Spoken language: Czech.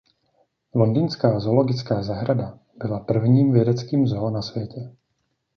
Londýnská zoologická zahrada byla prvním vědeckým zoo na světě.